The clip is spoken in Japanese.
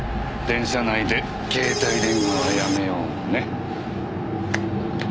電車内で携帯電話はやめようね。